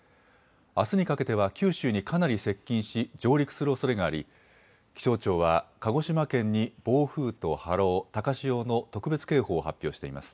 あすにかけては九州にかなり接近し上陸するおそれがあり気象庁は鹿児島県に暴風と波浪、高潮の特別警報を発表しています。